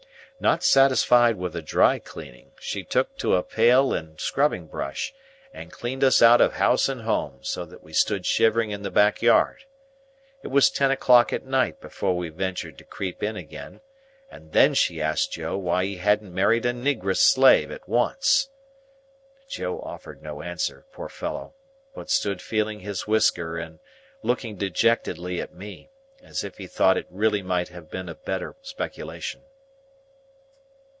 Not satisfied with a dry cleaning, she took to a pail and scrubbing brush, and cleaned us out of house and home, so that we stood shivering in the back yard. It was ten o'clock at night before we ventured to creep in again, and then she asked Joe why he hadn't married a Negress Slave at once? Joe offered no answer, poor fellow, but stood feeling his whisker and looking dejectedly at me, as if he thought it really might have been a better speculation.